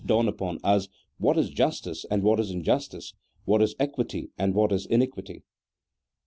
247 dawn upon ns what is justice and what is injustice, what is equity and what is iniquity.